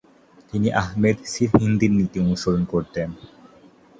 তিনি আহমেদ সিরহিন্দির নীতি অনুসরণ করতেন।